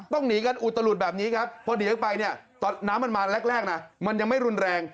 หนีกันอุตลุดแบบนี้ครับพอหนีออกไปเนี่ยตอนน้ำมันมาแรกนะมันยังไม่รุนแรง